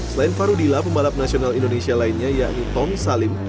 selain farudila pembalap nasional indonesia lainnya yakni tomm salim